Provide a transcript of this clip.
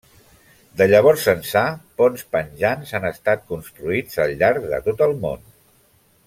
De llavors ençà ponts penjants han estat construïts al llarg de tot el món.